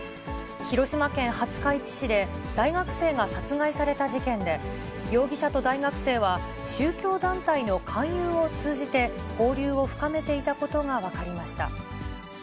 広島県廿日市市で、大学生が殺害された事件で、容疑者と大学生は、宗教団体の勧誘を通じて、交流を深めていたことが分かりました。